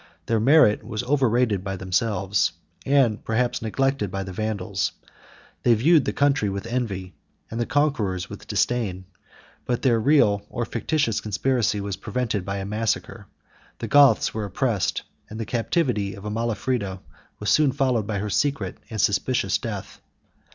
Their merit was overrated by themselves, and perhaps neglected by the Vandals; they viewed the country with envy, and the conquerors with disdain; but their real or fictitious conspiracy was prevented by a massacre; the Goths were oppressed, and the captivity of Amalafrida was soon followed by her secret and suspicious death.